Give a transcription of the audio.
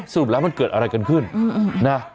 สรุปแล้วมันเกิดอะไรกันขึ้นนะ